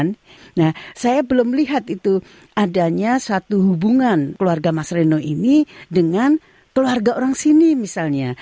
nah saya belum lihat itu adanya satu hubungan keluarga mas reno ini dengan keluarga orang sini misalnya